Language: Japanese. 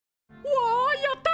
わやった！